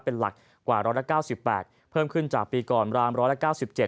เป็นหลักกว่า๑๙๘เพิ่มขึ้นจากปีก่อนรามร้อยละ๙๗